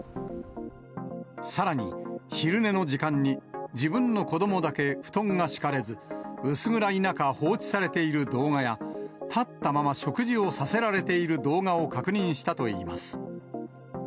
さらに、昼寝の時間に自分の子どもだけ布団が敷かれず薄暗い中、放置されている動画や、立ったまま食事をさせられている動画を確認したといいます。